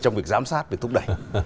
trong việc giám sát việc thúc đẩy